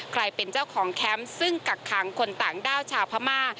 ใครเป็นเจ้าของแคมป์ซึ่งกักขังคนต่างด้าวชาวพม่า